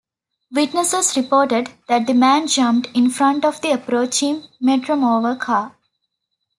Witnesses reported that the man jumped in front of the approaching Metromover car.